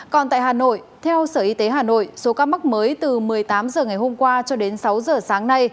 còn tại hà nội theo sở y tế hà nội số ca mắc mới từ một mươi tám h ngày hôm qua cho đến sáu giờ sáng nay